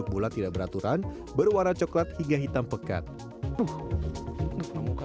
lebah musnah adalah hewan yang dipelihara untuk menjaga kemampuan perubahan